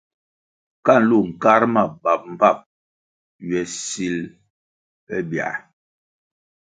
Ka nlu nkar ma bap mbpap ywe sil pe biãh.